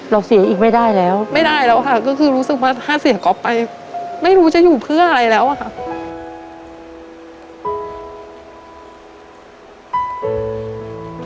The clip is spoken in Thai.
เสียอีกไม่ได้แล้วไม่ได้แล้วค่ะก็คือรู้สึกว่าถ้าเสียก๊อฟไปไม่รู้จะอยู่เพื่ออะไรแล้วอะค่ะ